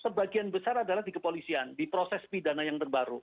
sebagian besar adalah di kepolisian di proses pidana yang terbaru